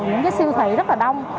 những cái siêu thị rất là đông